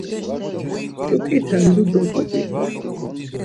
Ç̌uǩiten lu dogubi.